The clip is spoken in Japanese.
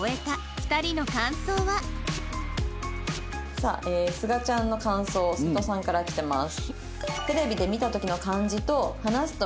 さあすがちゃんの感想瀬戸さんからきてます。